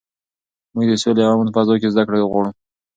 موږ د سولې او امن په فضا کې زده کړه غواړو.